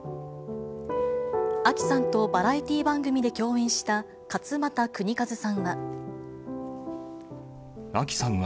あきさんとバラエティー番組で共演した勝俣州和さんは。